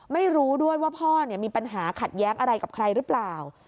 ไม่รู้ด้วยว่าพ่อมีปัญหาขัดแย้งอะไรกับใครหรือเปล่า